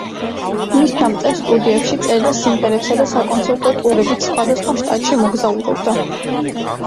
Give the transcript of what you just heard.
ხმის ჩამწერ სტუდიებში წერდა სიმღერებსა და საკონცერტო ტურებით სხვადასხვა შტატში მოგზაურობდა.